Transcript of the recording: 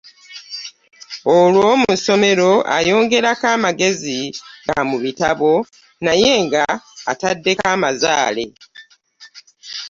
Olwo musomero nayongerako amagezi gamubitabo, naye nga attadeko amazaate.